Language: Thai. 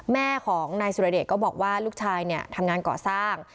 แม่ของนายสุรเดชก็บอกว่าลูกชายทำงานก่อสร้าง